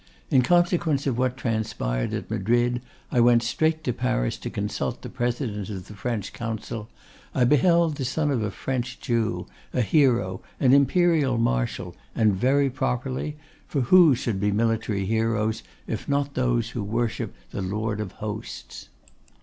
In consequence of what transpired at Madrid, I went straight to Paris to consult the President of the French Council; I beheld the son of a French Jew, a hero, an imperial marshal, and very properly so, for who should be military heroes if not those who worship the Lord of Hosts?